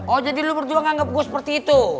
oh jadi lu berdua nganggep gua seperti itu